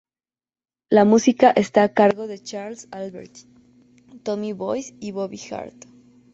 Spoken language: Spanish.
La música está a cargo de Charles Albertine, Tommy Boyce y Bobby Hart.